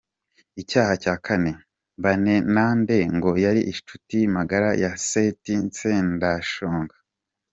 Icyaha cya kane: Mbanenande ngo yari inshuti magara ya Seth Sendashonga.